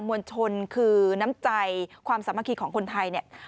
มวลชนคือน้ำใจความสามัคคีของคนไทยเนี่ย